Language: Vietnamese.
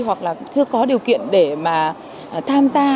hoặc là chưa có điều kiện để mà tham gia